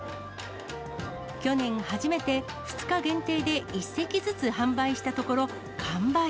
去年初めて２日限定で１席ずつ販売したところ完売。